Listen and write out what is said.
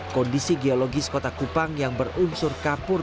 kondisi geologis kota kupang yang berunsur kapur